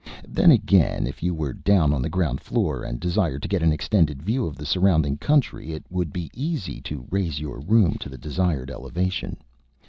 Then again, if you were down on the ground floor, and desired to get an extended view of the surrounding country, it would be easy to raise your room to the desired elevation.